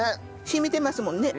染みてますもんね。